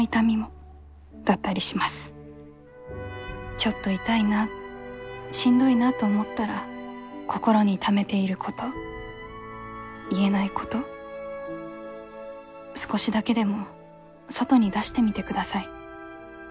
ちょっと痛いなしんどいなと思ったら心にためていること言えないこと少しだけでも外に出してみてください。